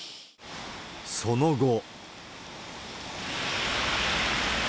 その後。